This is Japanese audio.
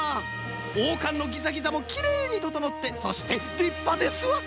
おうかんのギザギザもきれいにととのってそしてりっぱですわ！